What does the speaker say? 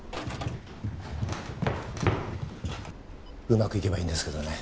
うまくいけばいいんですけどね。